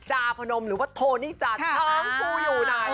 จาพรนมหรือว่าโทนิจาทั้งครูอยู่ไหน